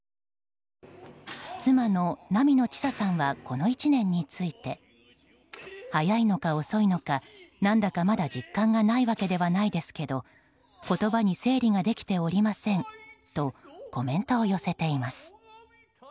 妻の波野知佐さんはこの１年について早いのか遅いのか、何だかまだ実感がないわけではないですけど言葉に整理ができておりませんとコメントを寄せています。